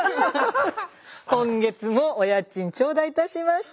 今月もお家賃頂戴いたしました。